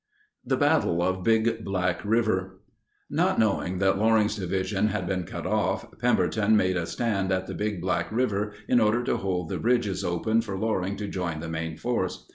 THE BATTLE OF BIG BLACK RIVER. Not knowing that Loring's Division had been cut off, Pemberton made a stand at the Big Black River in order to hold the bridges open for Loring to join the main force.